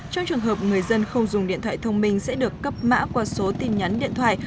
trong trường hợp người dân không dùng điện thoại thông minh sẽ được cấp mã qua số tin nhắn điện thoại